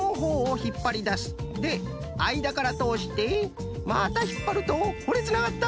であいだからとおしてまたひっぱるとほれつながった！